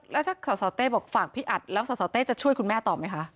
แล้วถ้าสสเต้บอกฝากพี่อัดแล้วสสเต้จะช่วยคุณแม่ต่อไหมคะ